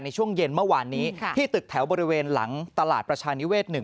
ในช่วงเย็นเมื่อวานนี้ที่ตึกแถวบริเวณหลังตลาดประชานิเวศ๑